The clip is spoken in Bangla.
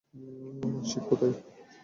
সিক, কোথায়?